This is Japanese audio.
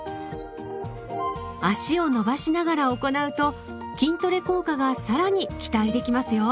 脚を伸ばしながら行うと筋トレ効果がさらに期待できますよ。